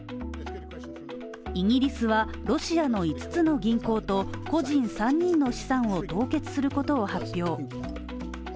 イギリスはロシアの五つの銀行と個人３人の資産を凍結することを発表